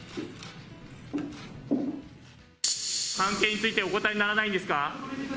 関係についてお答えにならないんですか？